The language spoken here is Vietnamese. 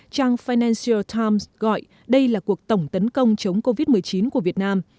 trang financial times gọi đây là cuộc tổng tấn công chống covid một mươi chín của việt nam